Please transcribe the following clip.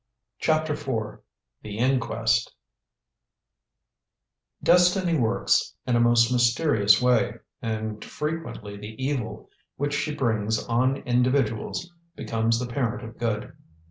CHAPTER IV THE INQUEST Destiny works in a most mysterious way, and frequently the evil which she brings on individuals becomes the parent of good.